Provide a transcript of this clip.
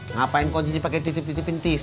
ngapain kau jadi pake titip titip intis